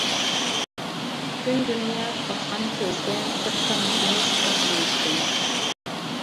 پۈتۈن دۇنيا پاتقان كۆزگە بىر تامچە ياش پاتمايدىكەن.